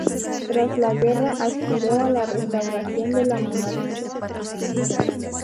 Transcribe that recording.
Tras la guerra aspiró a la restauración de la monarquía en Baviera.